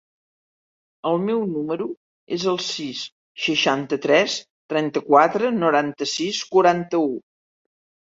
El meu número es el sis, seixanta-tres, trenta-quatre, noranta-sis, quaranta-u.